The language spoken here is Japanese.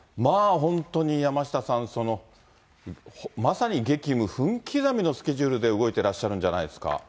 本当に山下さん、まさに激務、分刻みのスケジュールで動いてらっしゃるんじゃないですか。